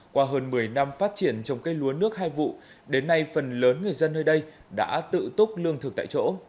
qua hơn một mươi năm phát triển trồng cây lúa nước hai vụ đến nay phần lớn người dân nơi đây đã tự túc lương thực tại chỗ